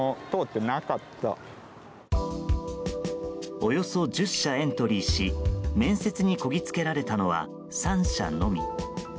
およそ１０社エントリーし面接にこぎつけられたのは３社のみ。